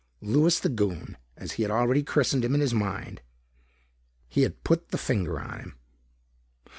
Louis the Goon, as he had already christened him in his mind. He had put the finger on him.